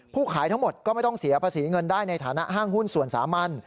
ขายทั้งหมดก็ไม่ต้องเสียภาษีเงินได้ในฐานะห้างหุ้นส่วนสามัญ